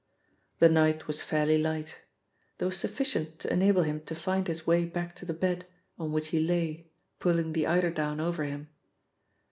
The night was fairly light; there was sufficient to enable him to find his way back to the bed, on which he lay, pulling the eiderdown over him.